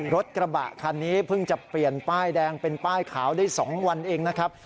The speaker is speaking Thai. รถกระบะคันนี้เพิ่งจะเปลี่ยนป้ายแดงเป็นป้ายขาวได้๒วันเองนะครับ